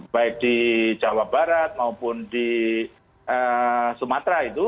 baik di jawa barat maupun di sumatera itu